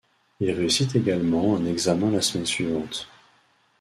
Il réussit également un examen la semaine suivante.